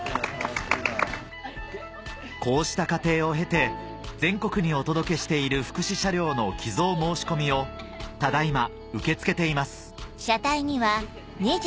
こうした過程を経て全国にお届けしている福祉車両の寄贈申し込みをただ今受け付けています